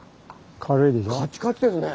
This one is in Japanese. カチカチですね。